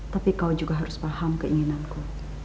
tapi kau juga harus paham keinginanku